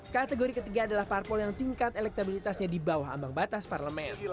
kategori ketiga adalah parpol yang tingkat elektabilitasnya di bawah ambang batas parlemen